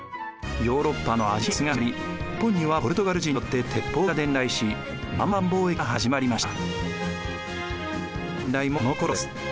ヨーロッパのアジア進出が始まり日本にはポルトガル人によって鉄砲が伝来し南蛮貿易が始まりました。